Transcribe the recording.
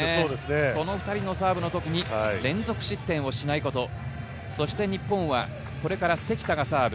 この２人のサーブの時に連続失点しないこと、そして日本はこれから関田がサーブ。